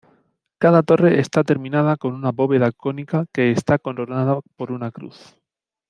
Cada torre está terminada en una bóveda cónica que está coronada por una cruz.